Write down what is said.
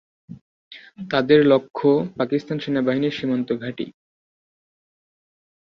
তাদের লক্ষ্য পাকিস্তান সেনাবাহিনীর সীমান্ত ঘাঁটি।